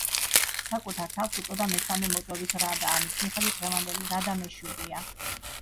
საკუთარ თავს უწოდა მესამე მოწვევის რადა, ამის მიხედვით დღევანდელი რადა მეშვიდეა.